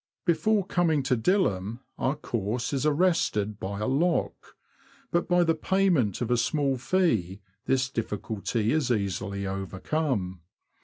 Before coming to Dilham our course is arrested by a lock, but by the payment of a small fee this diffi culty is easily overcome.